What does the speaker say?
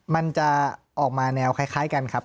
มันจะออกมาแนวคล้ายกันครับ